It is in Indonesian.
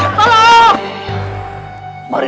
mari tanda prabu mari